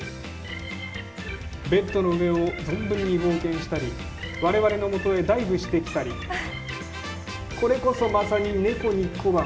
ベッドの上を冒険したり、我々のもとへだいぶしてきたりこれこそまさに、猫に小判。